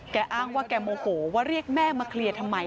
อ้างว่าแกโมโหว่าเรียกแม่มาเคลียร์ทำไม